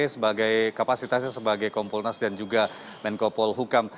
sebagai kapasitasnya sebagai komponas dan juga mengkopoh hukum